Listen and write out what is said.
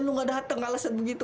lu gak datang alasan begitu